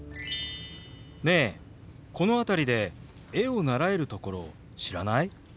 ねえこの辺りで絵を習えるところ知らない？